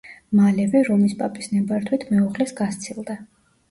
მალევე რომის პაპის ნებართვით მეუღლეს გასცილდა.